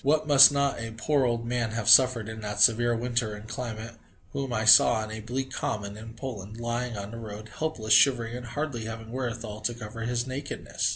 What must not a poor old man have suffered in that severe weather and climate, whom I saw on a bleak common in Poland, lying on the road, helpless, shivering and hardly having wherewithal to cover his nakedness?